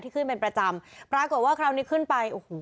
ขึ้นเป็นประจำปรากฏว่าคราวนี้ขึ้นไปโอ้โห